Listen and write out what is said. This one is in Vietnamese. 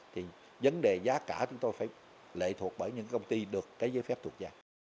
thì vấn đề giá cả chúng tôi phải lệ thuộc bởi những công ty được cái giấy phép thuộc ra